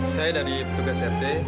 saya dari petugas rt